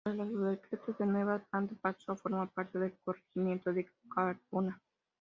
Tras los Decretos de Nueva Planta pasó a formar parte del corregimiento de Cardona.